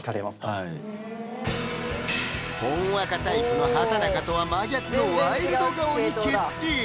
はいほんわかタイプの畠中とは真逆のワイルド顔に決定！